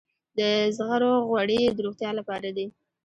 د زغرو غوړي د روغتیا لپاره دي.